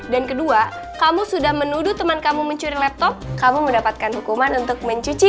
dan kedua kamu sudah menuduh teman kamu mencuri laptop kamu mendapatkan hukuman untuk mencuci